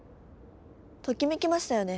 ときめきましたよね？